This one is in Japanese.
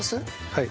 はい。